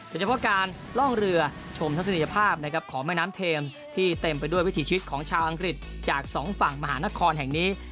เฉพาะการล่องเรือชมทัศนียภาพนะครับของแม่น้ำเทมที่เต็มไปด้วยวิถีชีวิตของชาวอังกฤษจากสองฝั่งมหานครแห่งนี้